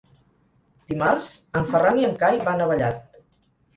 Dimarts en Ferran i en Cai van a Vallat.